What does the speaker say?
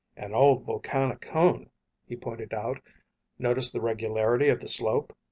"An old volcanic cone," he pointed out. "Notice the regularity of the slope?